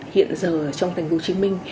hiện giờ trong tp hcm